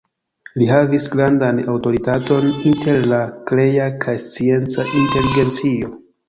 Li havis grandan aŭtoritaton inter la krea kaj scienca inteligencio.